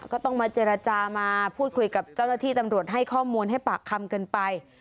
ก็ต้องมาเจรจามาพูดคุยกับเจ้าหน้าที่ตำรวจให้ข้อมูลให้ปากคำกันไป